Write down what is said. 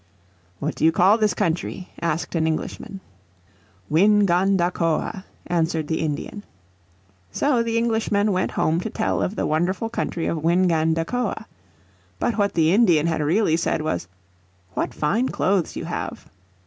"What do you call this country?" asked an Englishman. "Win gan da coa," answered the Indian. So the Englishmen went home to tell of the wonderful country of Wingandacoe. But what the Indian had really said was "What fine clothes you have!"